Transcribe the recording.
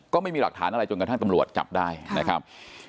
ก็ไม่มีหลักฐานอะไรจนกระทั่งตำรวจจับได้นะครับ